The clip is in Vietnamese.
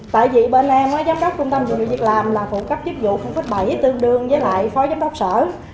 tại vì bên em giám đốc trung tâm dịch vụ việc làm là phụ cấp chức vụ bảy tương đương với lại phó giám đốc sở